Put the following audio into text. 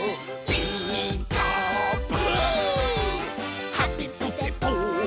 「ピーカーブ！」